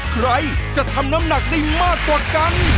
ใครจะทำน้ำหนักได้มากกว่ากัน